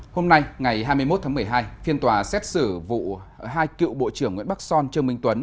hôm nay ngày hai mươi một tháng một mươi hai phiên tòa xét xử vụ hai cựu bộ trưởng nguyễn bắc son trương minh tuấn